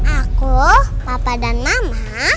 aku papa dan mama